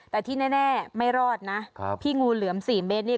แต่ที่แน่ไม่รอดนะพี่งูเหลือม๔เมตรนี่